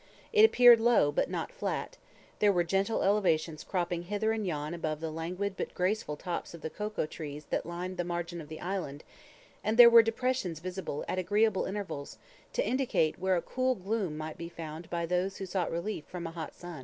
It appeared low, but not flat; there were gentle elevations cropping hither and yon above the languid but graceful tops of the cocoa trees that lined the margin of the island, and there were depressions visible at agreeable intervals, to indicate where a cool gloom might be found by those who sought relief from a hot sun.